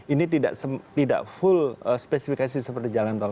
ini tidak full spesifikasi seperti jalan tol